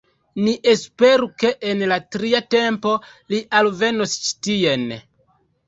Ni esperu ke en la tria tempo li alvenos ĉi tien